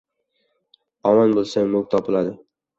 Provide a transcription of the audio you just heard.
• Omon bo‘lsang mulk topiladi.